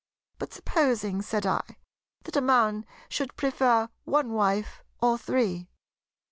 "But supposing," said I, "that a man should prefer one wife or three?"